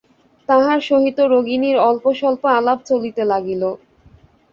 তাঁহার সহিত রোগিণীর অল্পস্বল্প আলাপ চলিতে লাগিল।